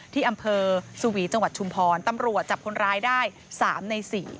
ที่อำเภอสวีจังหวัดชุมพรตำรวจจับคนร้ายได้๓ใน๔